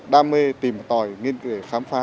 đam mê tìm tòi nghiên cứu để khám phá